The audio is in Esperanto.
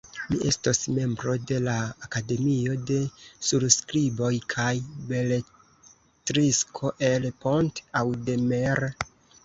Mi estos membro de la Akademio de Surskriboj kaj Beletrisko en Pont-Audemer!